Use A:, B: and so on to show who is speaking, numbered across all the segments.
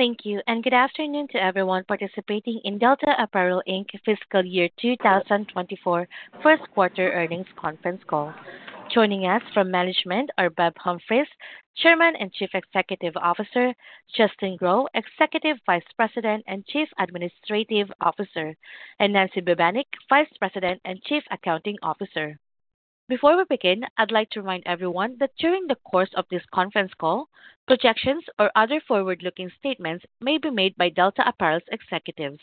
A: Thank you, and good afternoon to everyone participating in Delta Apparel Inc.'s fiscal year 2024 first quarter earnings conference call. Joining us from management are Bob Humphreys, Chairman and Chief Executive Officer, Justin Grow, Executive Vice President and Chief Administrative Officer, and Nancy Bubanich, Vice President and Chief Accounting Officer. Before we begin, I'd like to remind everyone that during the course of this conference call, projections or other forward-looking statements may be made by Delta Apparel's executives.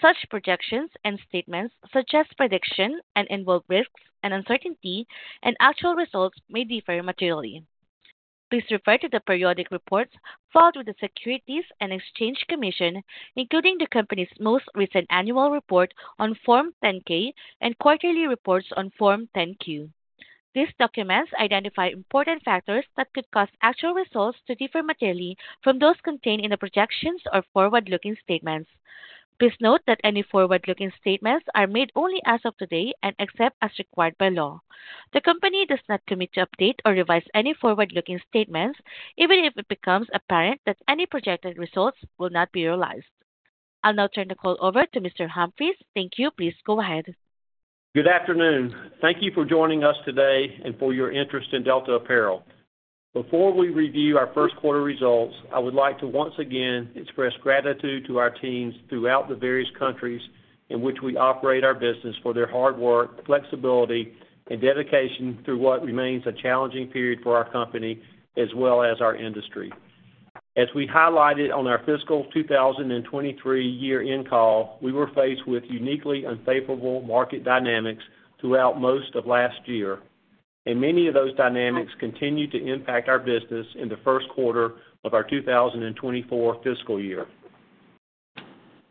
A: Such projections and statements suggest prediction and involve risks and uncertainty, and actual results may differ materially. Please refer to the periodic reports filed with the Securities and Exchange Commission, including the company's most recent annual report on Form 10-K and quarterly reports on Form 10-Q. These documents identify important factors that could cause actual results to differ materially from those contained in the projections or forward-looking statements. Please note that any forward-looking statements are made only as of today and except as required by law. The company does not commit to update or revise any forward-looking statements, even if it becomes apparent that any projected results will not be realized. I'll now turn the call over to Mr. Humphreys. Thank you. Please go ahead.
B: Good afternoon. Thank you for joining us today and for your interest in Delta Apparel. Before we review our first quarter results, I would like to once again express gratitude to our teams throughout the various countries in which we operate our business for their hard work, flexibility, and dedication through what remains a challenging period for our company, as well as our industry. As we highlighted on our fiscal 2023 year-end call, we were faced with uniquely unfavorable market dynamics throughout most of last year, and many of those dynamics continued to impact our business in the first quarter of our 2024 fiscal year.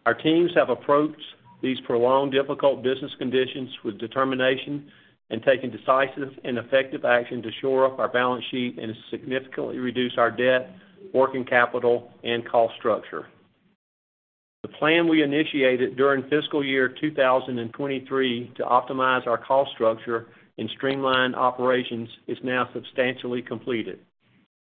B: Our teams have approached these prolonged, difficult business conditions with determination and taken decisive and effective action to shore up our balance sheet and significantly reduce our debt, working capital, and cost structure. The plan we initiated during fiscal year 2023 to optimize our cost structure and streamline operations is now substantially completed.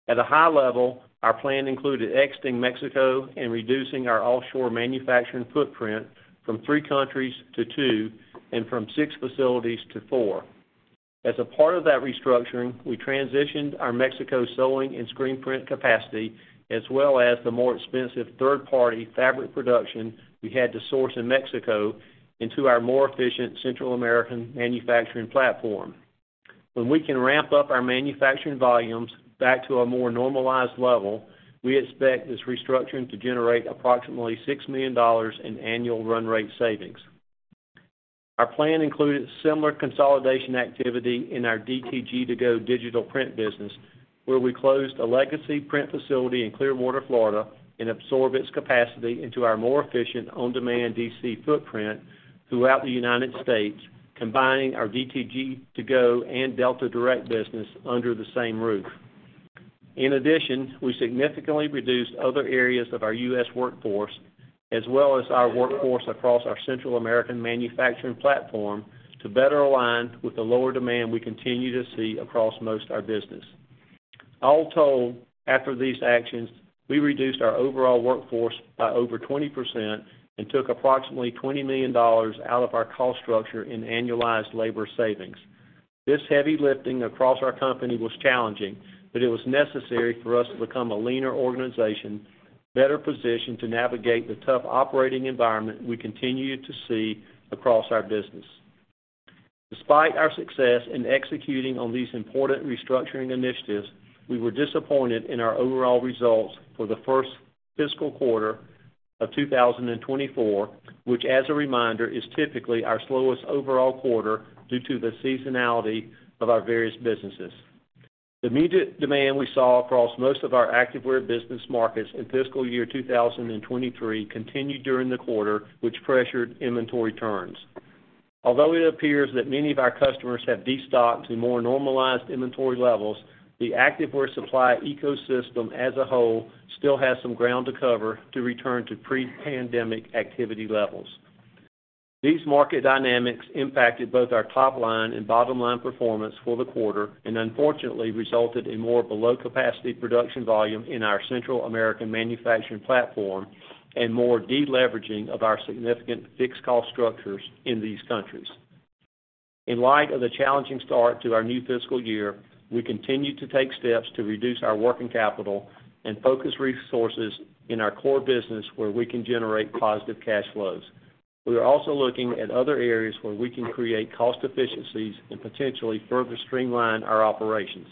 B: At a high level, our plan included exiting Mexico and reducing our offshore manufacturing footprint from 3 countries to 2 and from 6 facilities to 4. As a part of that restructuring, we transitioned our Mexico sewing and screen print capacity, as well as the more expensive third-party fabric production we had to source in Mexico into our more efficient Central American manufacturing platform. When we can ramp up our manufacturing volumes back to a more normalized level, we expect this restructuring to generate approximately $6 million in annual run rate savings. Our plan included similar consolidation activity in our DTG2Go digital print business, where we closed a legacy print facility in Clearwater, Florida, and absorbed its capacity into our more efficient on-demand DC footprint throughout the United States, combining our DTG2Go and Delta Direct business under the same roof. In addition, we significantly reduced other areas of our U.S. workforce, as well as our workforce across our Central American manufacturing platform, to better align with the lower demand we continue to see across most of our business. All told, after these actions, we reduced our overall workforce by over 20% and took approximately $20 million out of our cost structure in annualized labor savings. This heavy lifting across our company was challenging, but it was necessary for us to become a leaner organization, better positioned to navigate the tough operating environment we continue to see across our business. Despite our success in executing on these important restructuring initiatives, we were disappointed in our overall results for the first fiscal quarter of 2024, which, as a reminder, is typically our slowest overall quarter due to the seasonality of our various businesses. The immediate demand we saw across most of our activewear business markets in fiscal year 2023 continued during the quarter, which pressured inventory turns. Although it appears that many of our customers have destocked to more normalized inventory levels, the activewear supply ecosystem as a whole still has some ground to cover to return to pre-pandemic activity levels. These market dynamics impacted both our top line and bottom line performance for the quarter, and unfortunately resulted in more below-capacity production volume in our Central American manufacturing platform and more deleveraging of our significant fixed cost structures in these countries. In light of the challenging start to our new fiscal year, we continue to take steps to reduce our working capital and focus resources in our core business where we can generate positive cash flows. We are also looking at other areas where we can create cost efficiencies and potentially further streamline our operations.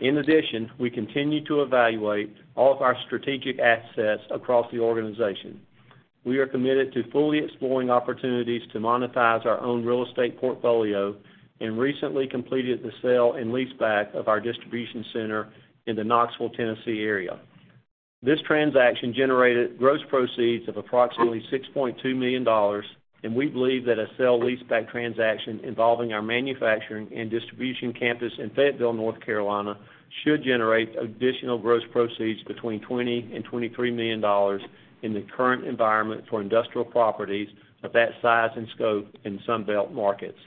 B: In addition, we continue to evaluate all of our strategic assets across the organization. We are committed to fully exploring opportunities to monetize our own real estate portfolio and recently completed the sale and leaseback of our distribution center in the Knoxville, Tennessee, area. This transaction generated gross proceeds of approximately $6.2 million, and we believe that a sale leaseback transaction involving our manufacturing and distribution campus in Fayetteville, North Carolina, should generate additional gross proceeds between $20 million and $23 million in the current environment for industrial properties of that size and scope in Sunbelt markets.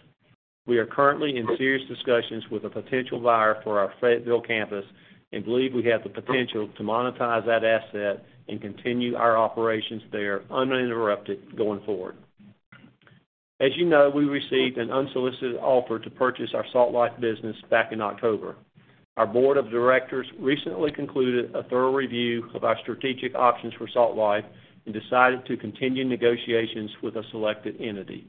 B: We are currently in serious discussions with a potential buyer for our Fayetteville campus and believe we have the potential to monetize that asset and continue our operations there uninterrupted going forward. As you know, we received an unsolicited offer to purchase our Salt Life business back in October. Our board of directors recently concluded a thorough review of our strategic options for Salt Life and decided to continue negotiations with a selected entity.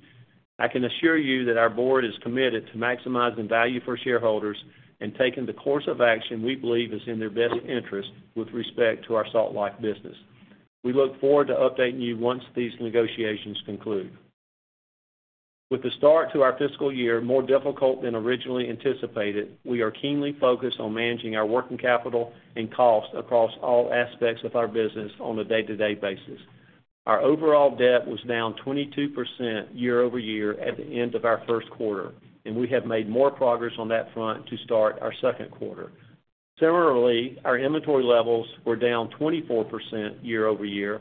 B: I can assure you that our board is committed to maximizing value for shareholders and taking the course of action we believe is in their best interest with respect to our Salt Life business. We look forward to updating you once these negotiations conclude. With the start to our fiscal year more difficult than originally anticipated, we are keenly focused on managing our working capital and costs across all aspects of our business on a day-to-day basis. Our overall debt was down 22% year-over-year at the end of our first quarter, and we have made more progress on that front to start our second quarter. Similarly, our inventory levels were down 24% year-over-year,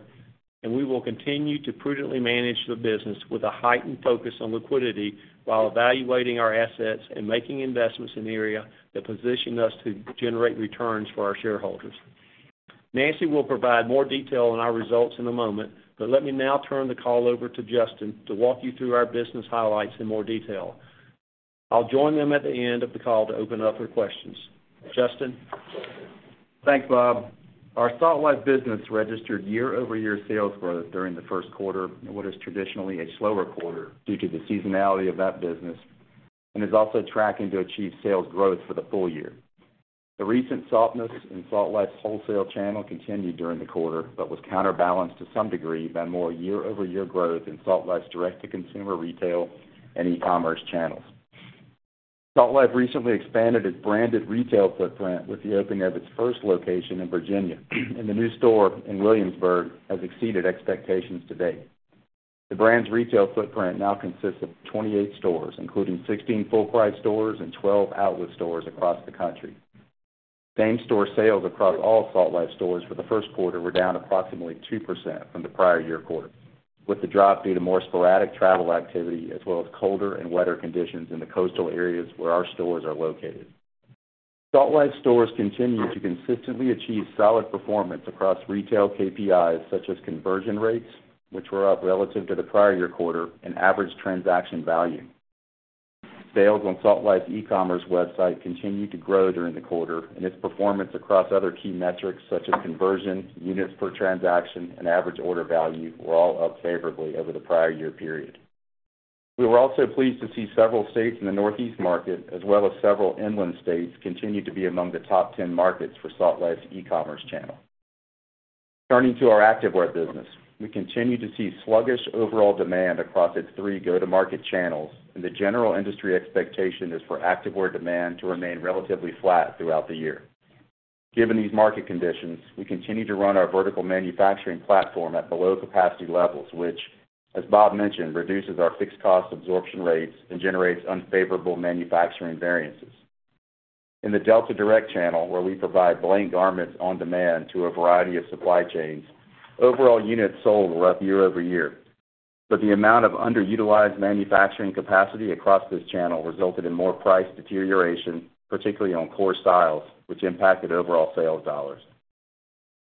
B: and we will continue to prudently manage the business with a heightened focus on liquidity, while evaluating our assets and making investments in the area that position us to generate returns for our shareholders. Nancy will provide more detail on our results in a moment, but let me now turn the call over to Justin to walk you through our business highlights in more detail. I'll join them at the end of the call to open up for questions. Justin?
C: Thanks, Bob. Our Salt Life business registered year-over-year sales growth during the first quarter, in what is traditionally a slower quarter due to the seasonality of that business, and is also tracking to achieve sales growth for the full year. The recent softness in Salt Life's wholesale channel continued during the quarter, but was counterbalanced to some degree by more year-over-year growth in Salt Life's direct-to-consumer, retail, and e-commerce channels. Salt Life recently expanded its branded retail footprint with the opening of its first location in Virginia, and the new store in Williamsburg has exceeded expectations to date. The brand's retail footprint now consists of 28 stores, including 16 full-price stores and 12 outlet stores across the country. Same-store sales across all Salt Life stores for the first quarter were down approximately 2% from the prior year quarter, with the drop due to more sporadic travel activity, as well as colder and wetter conditions in the coastal areas where our stores are located. Salt Life stores continue to consistently achieve solid performance across retail KPIs, such as conversion rates, which were up relative to the prior year quarter, and average transaction value. Sales on Salt Life's e-commerce website continued to grow during the quarter, and its performance across other key metrics, such as conversion, units per transaction, and average order value, were all up favorably over the prior year period. We were also pleased to see several states in the Northeast market, as well as several inland states, continue to be among the top 10 markets for Salt Life's e-commerce channel. Turning to our activewear business, we continue to see sluggish overall demand across its three go-to-market channels, and the general industry expectation is for activewear demand to remain relatively flat throughout the year. Given these market conditions, we continue to run our vertical manufacturing platform at below-capacity levels, which, as Bob mentioned, reduces our fixed cost absorption rates and generates unfavorable manufacturing variances. In the Delta Direct channel, where we provide blank garments on demand to a variety of supply chains, overall units sold were up year-over-year, but the amount of underutilized manufacturing capacity across this channel resulted in more price deterioration, particularly on core styles, which impacted overall sales dollars.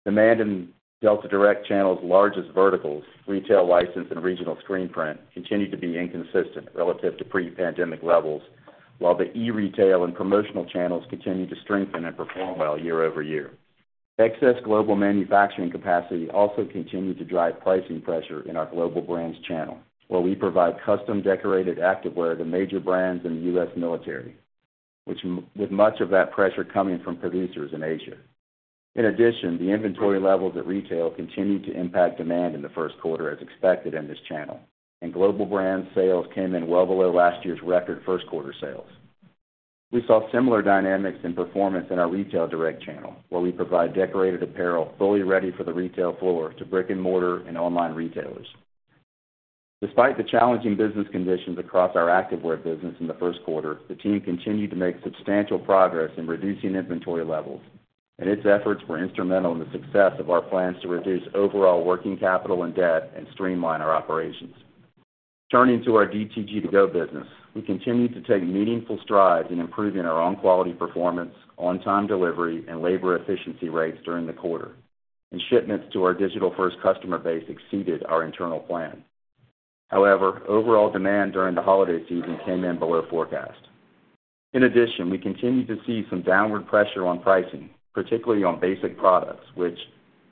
C: Demand in Delta Direct channel's largest verticals, retail license and regional screen print, continued to be inconsistent relative to pre-pandemic levels, while the e-retail and promotional channels continued to strengthen and perform well year-over-year. Excess global manufacturing capacity also continued to drive pricing pressure in our Global Brands channel, where we provide custom-decorated activewear to major brands and the U.S. military, with much of that pressure coming from producers in Asia. In addition, the inventory levels at retail continued to impact demand in the first quarter, as expected in this channel, and Global Brands sales came in well below last year's record first quarter sales. We saw similar dynamics and performance in our Retail Direct channel, where we provide decorated apparel fully ready for the retail floor to brick-and-mortar and online retailers. Despite the challenging business conditions across our activewear business in the first quarter, the team continued to make substantial progress in reducing inventory levels, and its efforts were instrumental in the success of our plans to reduce overall working capital and debt and streamline our operations. Turning to our DTG2Go business, we continued to take meaningful strides in improving our own quality performance, on-time delivery, and labor efficiency rates during the quarter, and shipments to our digital-first customer base exceeded our internal plan. However, overall demand during the holiday season came in below forecast. In addition, we continued to see some downward pressure on pricing, particularly on basic products, which,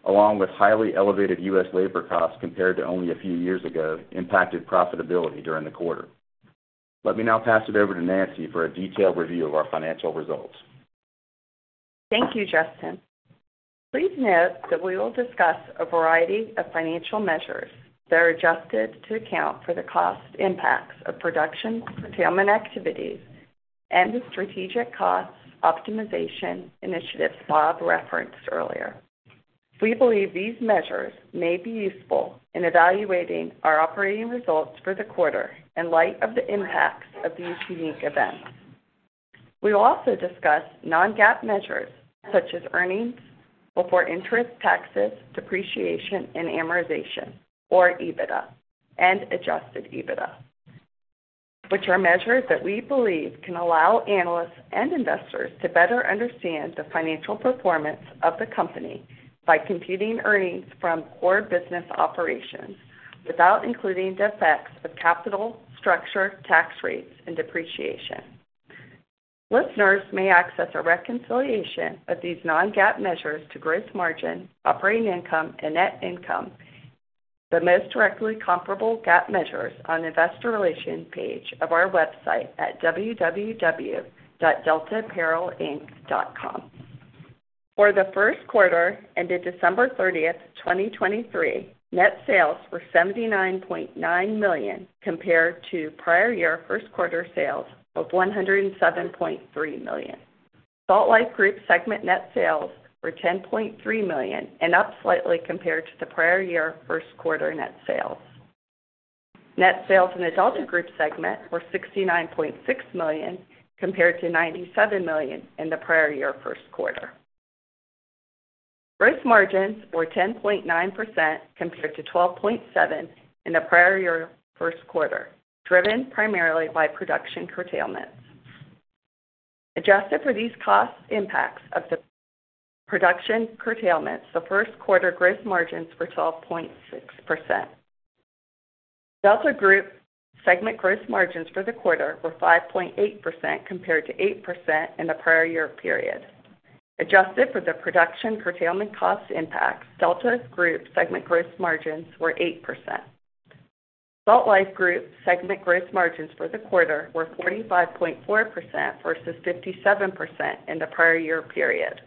C: along with highly elevated U.S. labor costs compared to only a few years ago, impacted profitability during the quarter. Let me now pass it over to Nancy for a detailed review of our financial results.
D: Thank you, Justin. Please note that we will discuss a variety of financial measures that are adjusted to account for the cost impacts of production curtailment activities and the strategic cost optimization initiatives Bob referenced earlier. We believe these measures may be useful in evaluating our operating results for the quarter in light of the impacts of these unique events. We will also discuss non-GAAP measures, such as earnings before interest, taxes, depreciation, and amortization, or EBITDA, and adjusted EBITDA, which are measures that we believe can allow analysts and investors to better understand the financial performance of the company by computing earnings from core business operations without including the effects of capital structure, tax rates, and depreciation. Listeners may access a reconciliation of these non-GAAP measures to gross margin, operating income, and net income, the most directly comparable GAAP measures on the investor relations page of our website at www.deltaapparelinc.com. For the first quarter ended December 30, 2023, net sales were $79.9 million, compared to prior year first quarter sales of $107.3 million. Salt Life Group segment net sales were $10.3 million and up slightly compared to the prior year first quarter net sales. Net sales in the Delta Group segment were $69.6 million, compared to $97 million in the prior year first quarter. Gross margins were 10.9%, compared to 12.7% in the prior year first quarter, driven primarily by production curtailments. Adjusted for these cost impacts of the production curtailment, the first quarter gross margins were 12.6%. Delta Group segment gross margins for the quarter were 5.8%, compared to 8% in the prior year period. Adjusted for the production curtailment cost impact, Delta Group segment gross margins were 8%. Salt Life Group segment gross margins for the quarter were 45.4% versus 57% in the prior year period.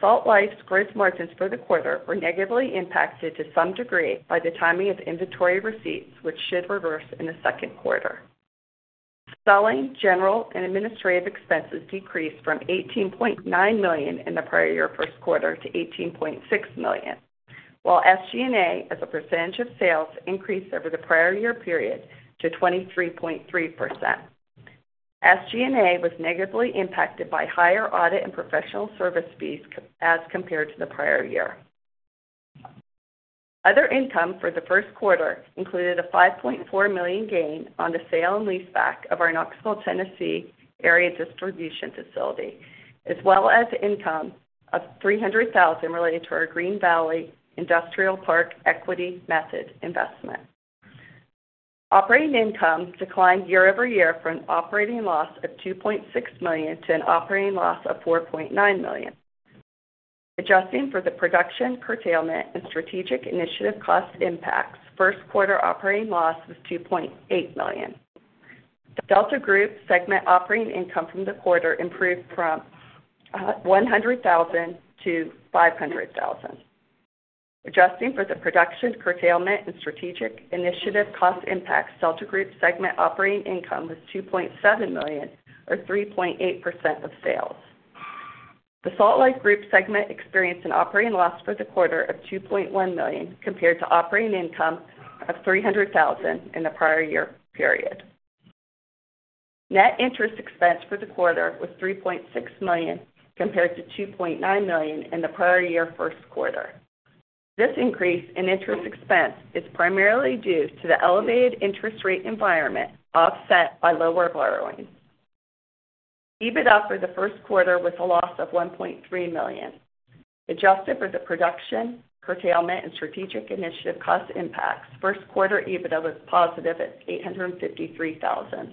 D: Salt Life's gross margins for the quarter were negatively impacted to some degree by the timing of inventory receipts, which should reverse in the second quarter. Selling, general, and administrative expenses decreased from $18.9 million in the prior year first quarter to $18.6 million, while SG&A, as a percentage of sales, increased over the prior year period to 23.3%. SG&A was negatively impacted by higher audit and professional service fees as compared to the prior year. Other income for the first quarter included a $5.4 million gain on the sale and leaseback of our Knoxville, Tennessee, area distribution facility, as well as income of $300,000 related to our Green Valley Industrial Park equity method investment. Operating income declined year-over-year from an operating loss of $2.6 million to an operating loss of $4.9 million. Adjusting for the production curtailment, and strategic initiative cost impacts, first quarter operating loss was $2.8 million. The Delta Group segment operating income from the quarter improved from $100,000 to $500,000. Adjusting for the production curtailment and strategic initiative cost impact, Delta Group segment operating income was $2.7 million, or 3.8% of sales. The Salt Life Group segment experienced an operating loss for the quarter of $2.1 million, compared to operating income of $300,000 in the prior year period. Net interest expense for the quarter was $3.6 million, compared to $2.9 million in the prior year first quarter. This increase in interest expense is primarily due to the elevated interest rate environment, offset by lower borrowing. EBITDA for the first quarter was a loss of $1.3 million. Adjusted for the production, curtailment, and strategic initiative cost impacts, first quarter EBITDA was positive at $853,000.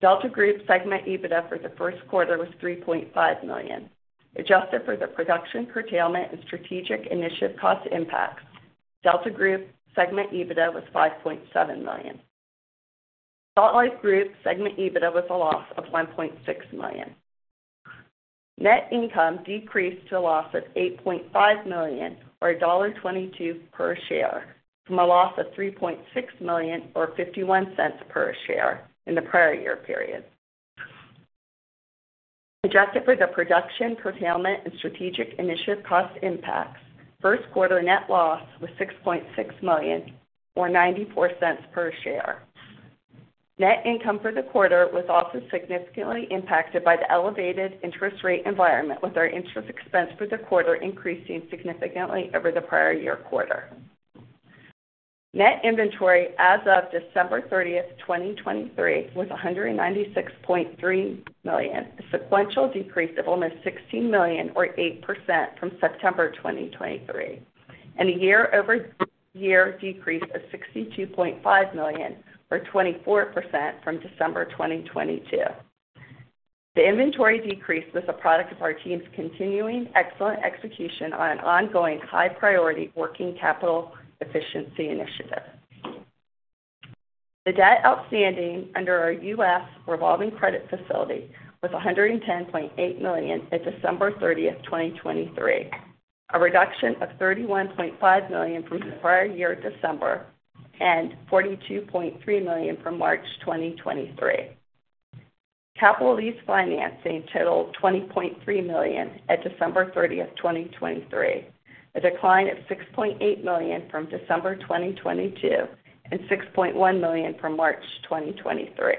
D: Delta Group segment EBITDA for the first quarter was $3.5 million. Adjusted for the production curtailment and strategic initiative cost impacts, Delta Group segment EBITDA was $5.7 million. Salt Life Group segment EBITDA was a loss of $1.6 million. Net income decreased to a loss of $8.5 million, or $1.22 per share, from a loss of $3.6 million, or $0.51 per share, in the prior year period. Adjusted for the production, curtailment, and strategic initiative cost impacts, first quarter net loss was $6.6 million, or $0.94 per share. Net income for the quarter was also significantly impacted by the elevated interest rate environment, with our interest expense for the quarter increasing significantly over the prior year quarter. Net inventory as of December 30, 2023, was $196.3 million, a sequential decrease of almost $16 million or 8% from September 2023, and a year-over-year decrease of $62.5 million, or 24%, from December 2022. The inventory decrease was a product of our team's continuing excellent execution on an ongoing, high-priority working capital efficiency initiative. The debt outstanding under our U.S. revolving credit facility was $110.8 million at December 30, 2023, a reduction of $31.5 million from the prior year December, and $42.3 million from March 2023. Capital lease financing totaled $20.3 million at December 30, 2023, a decline of $6.8 million from December 2022, and $6.1 million from March 2023.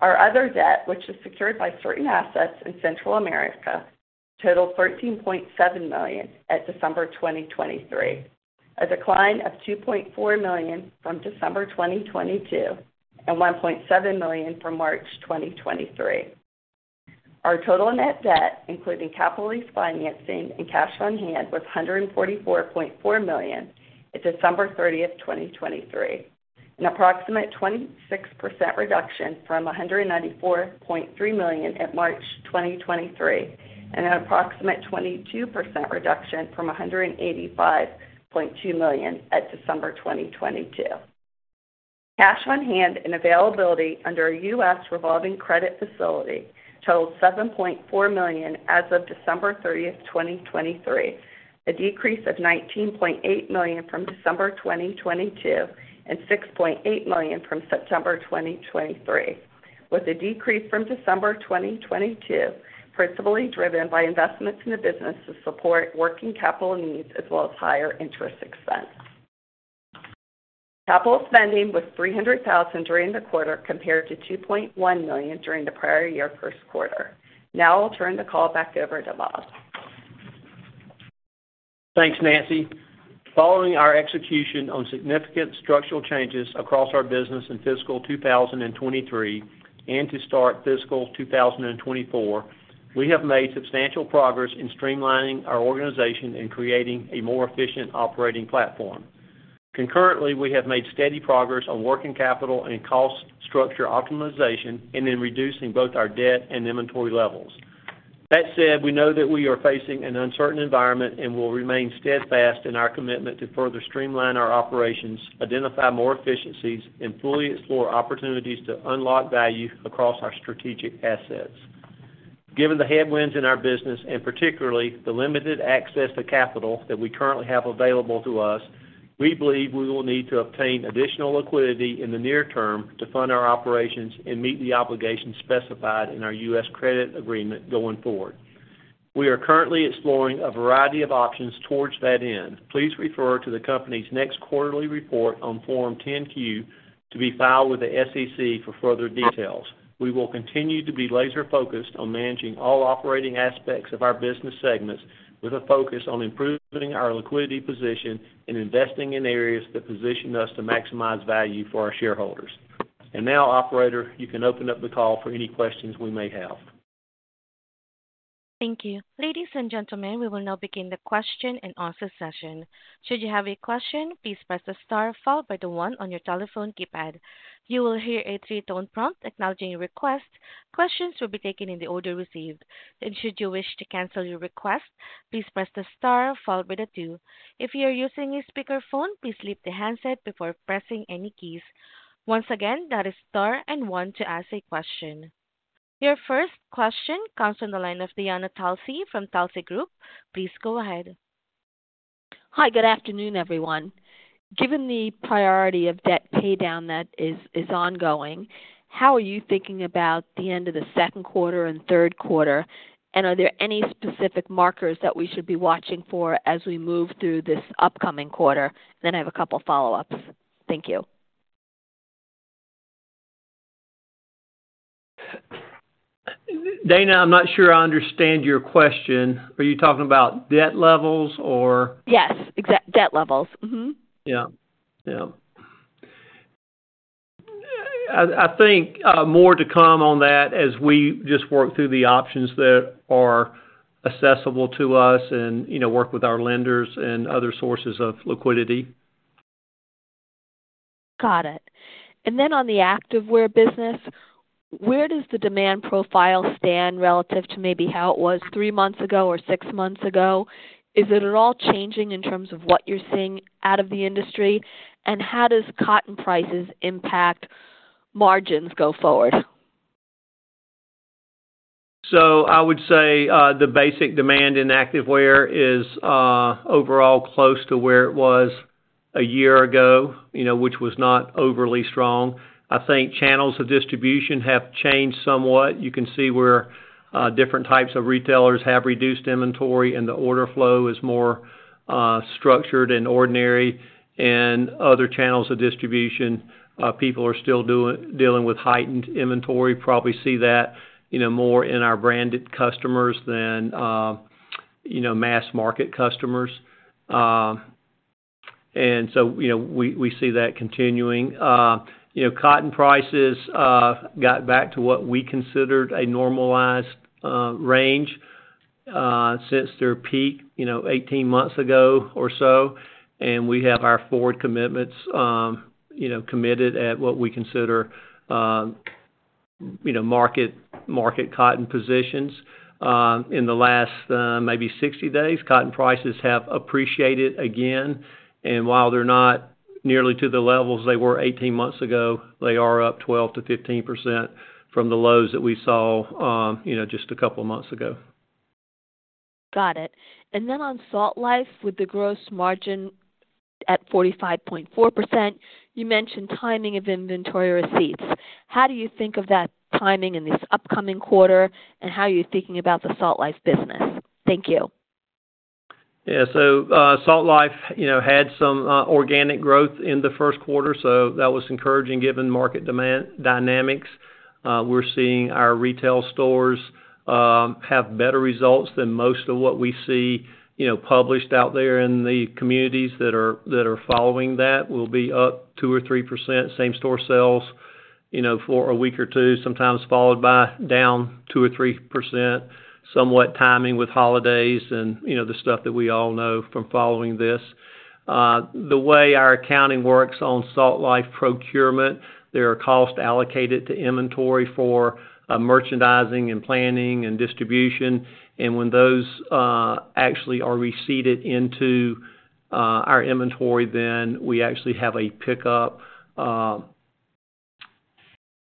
D: Our other debt, which is secured by certain assets in Central America, totaled $13.7 million at December 2023, a decline of $2.4 million from December 2022, and $1.7 million from March 2023. Our total net debt, including capital lease financing and cash on hand, was $144.4 million at December 30, 2023, an approximate 26% reduction from $194.3 million at March 2023, and an approximate 22% reduction from $185.2 million at December 2022. Cash on hand and availability under a U.S. revolving credit facility totaled $7.4 million as of December 30, 2023, a decrease of $19.8 million from December 2022, and $6.8 million from September 2023, with a decrease from December 2022, principally driven by investments in the business to support working capital needs as well as higher interest expense. Capital spending was $300,000 during the quarter, compared to $2.1 million during the prior year first quarter. Now I'll turn the call back over to Bob.
B: Thanks, Nancy. Following our execution on significant structural changes across our business in fiscal 2023 and to start fiscal 2024, we have made substantial progress in streamlining our organization and creating a more efficient operating platform. Concurrently, we have made steady progress on working capital and cost structure optimization and in reducing both our debt and inventory levels. That said, we know that we are facing an uncertain environment and will remain steadfast in our commitment to further streamline our operations, identify more efficiencies, and fully explore opportunities to unlock value across our strategic assets. Given the headwinds in our business, and particularly, the limited access to capital that we currently have available to us, we believe we will need to obtain additional liquidity in the near term to fund our operations and meet the obligations specified in our U.S. credit agreement going forward. We are currently exploring a variety of options towards that end. Please refer to the company's next quarterly report on Form 10-Q to be filed with the SEC for further details. We will continue to be laser focused on managing all operating aspects of our business segments, with a focus on improving our liquidity position and investing in areas that position us to maximize value for our shareholders. And now, operator, you can open up the call for any questions we may have.
A: Thank you. Ladies and gentlemen, we will now begin the question and answer session. Should you have a question, please press the star followed by the one on your telephone keypad. You will hear a three-tone prompt acknowledging your request. Questions will be taken in the order received, and should you wish to cancel your request, please press the star followed by the two. If you are using a speakerphone, please leave the handset before pressing any keys. Once again, that is star and one to ask a question. Your first question comes from the line of Dana Telsey from Telsey Group. Please go ahead.
E: Hi, good afternoon, everyone. Given the priority of debt paydown that is, is ongoing, how are you thinking about the end of the second quarter and third quarter? And are there any specific markers that we should be watching for as we move through this upcoming quarter? Then I have a couple follow-ups. Thank you.
B: Dana, I'm not sure I understand your question. Are you talking about debt levels or?
E: Yes, exactly debt levels. Mm-hmm.
B: Yeah. Yeah. I think more to come on that as we just work through the options that are accessible to us and, you know, work with our lenders and other sources of liquidity.
E: Got it. And then on the activewear business, where does the demand profile stand relative to maybe how it was 3 months ago or 6 months ago? Is it at all changing in terms of what you're seeing out of the industry? And how does cotton prices impact margins go forward?
B: So I would say, the basic demand in activewear is, overall close to where it was a year ago, you know, which was not overly strong. I think channels of distribution have changed somewhat. You can see where, different types of retailers have reduced inventory and the order flow is more, structured and ordinary. And other channels of distribution, people are still dealing with heightened inventory. Probably see that, you know, more in our branded customers than, you know, mass market customers. And so, you know, we see that continuing. You know, cotton prices got back to what we considered a normalized range, since their peak, you know, 18 months ago or so, and we have our forward commitments, you know, committed at what we consider, you know, market cotton positions. In the last, maybe 60 days, cotton prices have appreciated again, and while they're not nearly to the levels they were 18 months ago, they are up 12%-15% from the lows that we saw, you know, just a couple months ago.
E: Got it. And then on Salt Life, with the gross margin at 45.4%. You mentioned timing of inventory receipts. How do you think of that timing in this upcoming quarter, and how are you thinking about the Salt Life business? Thank you.
B: Yeah, so, Salt Life, you know, had some organic growth in the first quarter, so that was encouraging given market demand dynamics. We're seeing our retail stores have better results than most of what we see, you know, published out there in the communities that are following that. We'll be up 2%-3% same-store sales, you know, for a week or two, sometimes followed by down 2%-3%, somewhat timing with holidays and, you know, the stuff that we all know from following this. The way our accounting works on Salt Life procurement, there are costs allocated to inventory for merchandising and planning and distribution, and when those actually are received into our inventory, then we actually have a pickup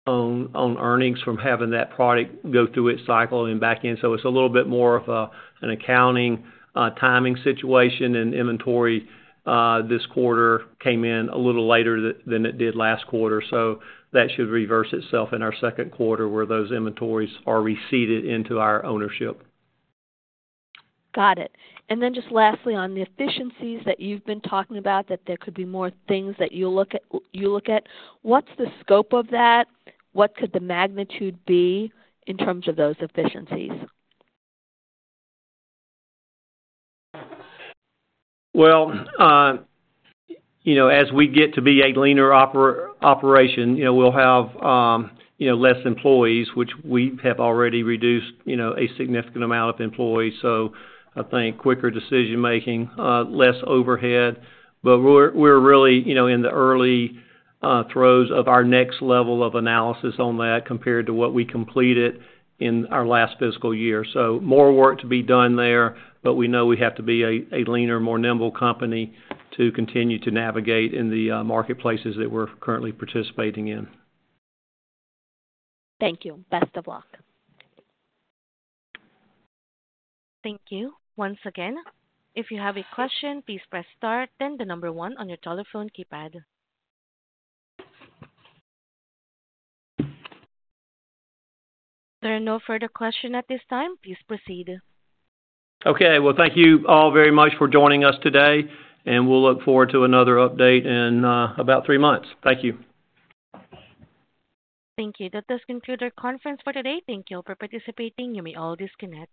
B: on earnings from having that product go through its cycle and back in. It's a little bit more of an accounting timing situation, and inventory this quarter came in a little later than it did last quarter. That should reverse itself in our second quarter, where those inventories are received into our ownership.
E: Got it. And then just lastly, on the efficiencies that you've been talking about, that there could be more things that you look at. What's the scope of that? What could the magnitude be in terms of those efficiencies?
B: Well, you know, as we get to be a leaner operation, you know, we'll have, you know, less employees, which we have already reduced, you know, a significant amount of employees. So I think quicker decision-making, less overhead, but we're really, you know, in the early throes of our next level of analysis on that, compared to what we completed in our last fiscal year. So more work to be done there, but we know we have to be a leaner, more nimble company to continue to navigate in the marketplaces that we're currently participating in.
E: Thank you. Best of luck.
A: Thank you. Once again, if you have a question, please press star, then the number one on your telephone keypad. There are no further questions at this time. Please proceed.
B: Okay. Well, thank you all very much for joining us today, and we'll look forward to another update in about three months. Thank you.
A: Thank you. That does conclude our conference for today. Thank you all for participating. You may all disconnect.